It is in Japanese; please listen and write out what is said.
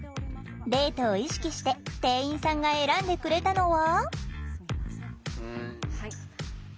デートを意識して店員さんが選んでくれたのは。